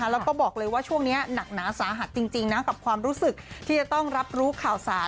แล้วก็บอกเลยว่าช่วงนี้หนักหนาสาหัสจริงนะกับความรู้สึกที่จะต้องรับรู้ข่าวสาร